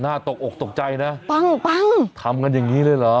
ตกอกตกใจนะปังปังทำกันอย่างนี้เลยเหรอ